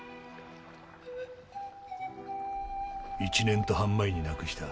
１年と半前に亡くした。